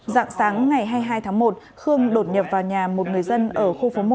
dạng sáng ngày hai mươi hai tháng một khương đột nhập vào nhà một người dân ở khu phố một